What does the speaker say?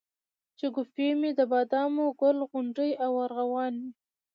شګوفې مي دبادامو، ګل غونډۍ او ارغوان مي